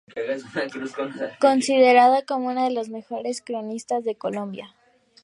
Considerado como uno de los mejores cronistas de Colombia.